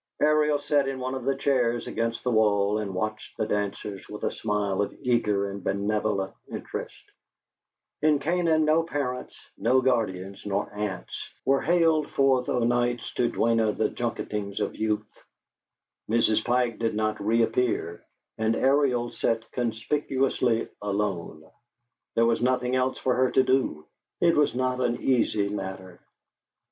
Ariel sat in one of the chairs against the wall and watched the dancers with a smile of eager and benevolent interest. In Canaan no parents, no guardians nor aunts, were haled forth o' nights to duenna the junketings of youth; Mrs. Pike did not reappear, and Ariel sat conspicuously alone; there was nothing else for her to do. It was not an easy matter.